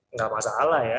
enggak masalah ya